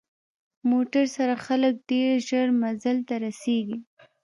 موټر سره خلک ډېر ژر منزل ته رسېږي.